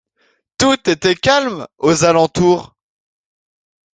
Tout était calme aux alentours.